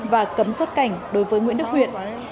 và cấm xuất cảnh đối với nguyễn đức huyện